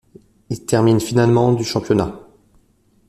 Il termine finalement du championnat.